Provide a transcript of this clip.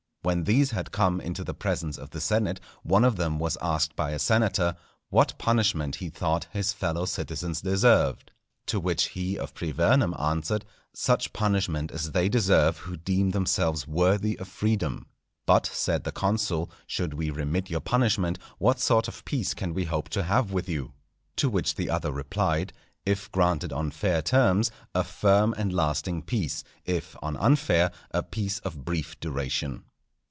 When these had come into the presence of the senate, one of them was asked by a senator, "What punishment he thought his fellow citizens deserved?" To which he of Privernum answered, "Such punishment as they deserve who deem themselves worthy of freedom." "But," said the consul, "should we remit your punishment, what sort of peace can we hope to have with you?" To which the other replied, "_If granted on fair terms, a firm and lasting peace; if on unfair, a peace of brief duration.